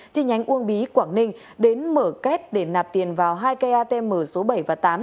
trên nhánh uông bí quảng ninh đến mở kết để nạp tiền vào hai cây atm số bảy và tám